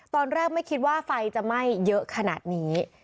ตอนแรกไม่คิดว่าไฟจะไหม้เยอะขนาดนี้